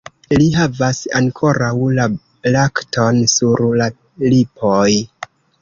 Li havas ankoraŭ la lakton sur la lipoj.